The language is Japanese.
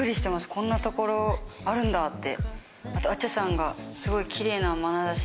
こんなところあるんだって